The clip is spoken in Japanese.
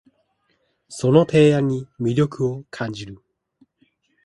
その提案に魅力を感じる